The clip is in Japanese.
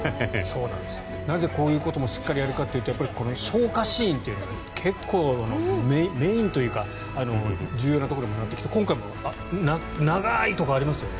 なぜ、こういうこともしっかりやるかというとこの消火シーンというのが結構なメインというか重要なところで、今回も長いところがありますよね。